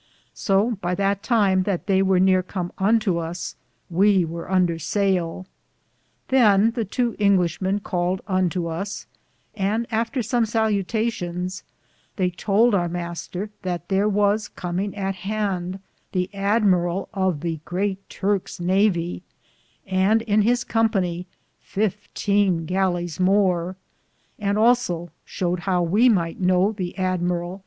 So by that time that theye weare com unto us, we weare under saille. Than the tow Inglishe men caled unto us, and, after som salutations, theye tould our Mr. thate thare was cominge at hande The Amberall of the greate Turkes navie, and, in his Company, 1 5 gallis more ; and also showed how we myghte knowe the Amberall from ^ Escutcheons.